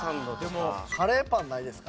カレーパンないですか？